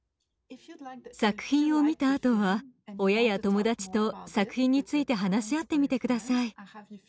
作品を見たあとは親や友だちと作品について話し合ってみて下さい。